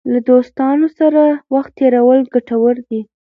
له دوستانو سره وخت تېرول ګټور دی.